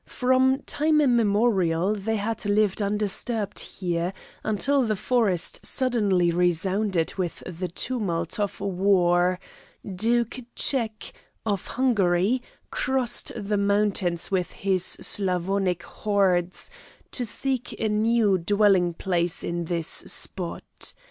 From time immemorial they had lived undisturbed here, until the forest suddenly resounded with the tumult of war; Duke Czech, of Hungary, crossed the mountains with his Slavonic hordes, to seek a new dwelling place in this spot.